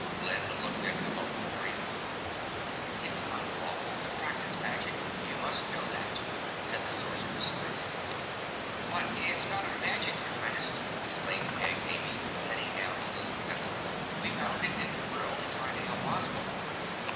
Glinda looked at Kabumpo gravely. "It's unlawful to practice magic. You must know that," said the Sorceress sternly. "But it's not our magic, your Highness," explained Peg Amy, setting down the little kettle. "We found it, and we're only trying to help Ozma."